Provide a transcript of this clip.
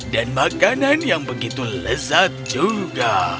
dan makanan yang begitu lezat juga